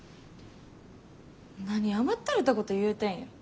何甘ったれたこと言うてんや。